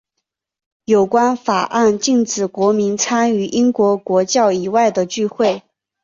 有关法案禁止国民参与英国国教以外的聚会。